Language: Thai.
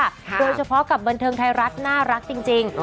โดยเฉพาะกับบันเทิงไทยรัฐน่ารักจริง